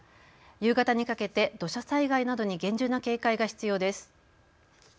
夕方にかけて土砂災害などに厳重な警戒が必要です。